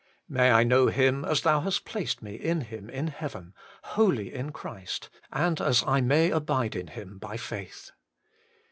May I know Him as Thou hast placed me in Him in heaven, holy in Christ, and as I may abide in Him by faith.